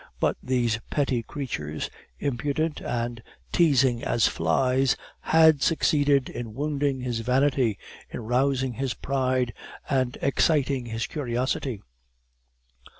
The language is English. But these petty creatures, impudent and teasing as flies, had succeeded in wounding his vanity, in rousing his pride, and exciting his curiosity.